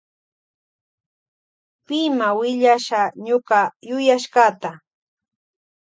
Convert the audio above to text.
Pima willasha ñuka yuyashkata.